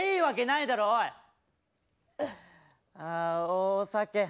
お酒。